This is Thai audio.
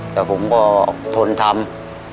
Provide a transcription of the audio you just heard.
แต่ผมบอกทนทำ